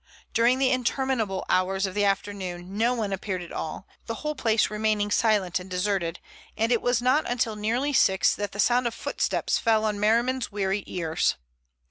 During the interminable hours of the afternoon no one appeared at all, the whole place remaining silent and deserted, and it was not until nearly six that the sound of footsteps fell on Merriman's weary ears.